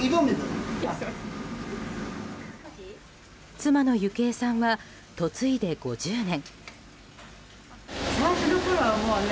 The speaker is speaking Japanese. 妻のユキエさんは嫁いで５０年。